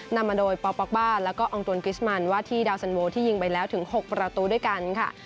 นำมาโดยปป๊อกบ้านแล้วก็อองตวนกริสมันว่าที่ดาวสันโวที่ยิงไปแล้วถึง๖ประตูด้วยกันค่ะ